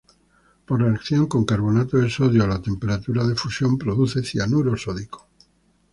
Por reacción con carbonato de sodio a la temperatura de fusión produce cianuro sódico.